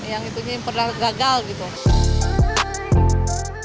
yang itunya yang pernah gagal gitu